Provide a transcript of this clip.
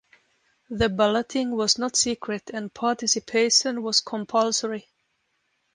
The balloting was not secret, and participation was compulsory.